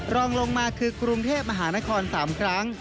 รองลงมาคือกรุงเทพมหานคร๓ครั้ง